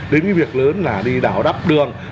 đến việc lớn là đi đảo đắp đường